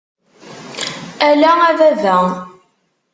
Ala a baba!